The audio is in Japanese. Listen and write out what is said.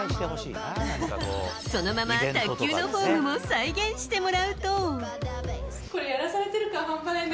そのまま卓球のフォームも再現してもらうと。